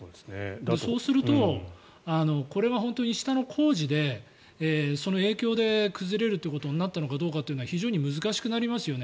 そうすると、これが本当に下の工事でその影響で崩れるということになったのかどうかは非常に難しくなりますよね。